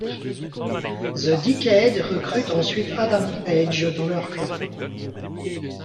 The Decade recrute ensuite Adam Page dans leur clan.